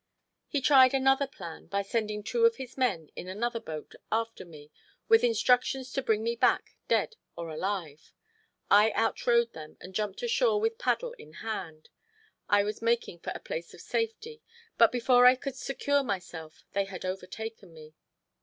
He tried another plan by sending two of his men in another boat after me, with instructions to bring me back dead or alive. I out rowed them and jumped ashore with paddle in hand. I was making for a place of safety, but before I could secure myself they had overtaken me.